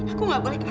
aku nggak boleh kalah